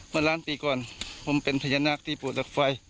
มาล้านปีก่อนผมเป็นพญานาคต์ที่ปลูกลักษณ์ไฟ